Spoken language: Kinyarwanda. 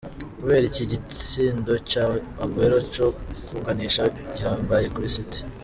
Kubera iki igitsindo ca Aguero co kunganisha gihambaye kuri City?.